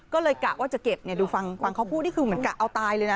ก็เลยกะว่าจะเก็บนี่ดูฟังเขาพูดมันกะเอาตายเลยนะ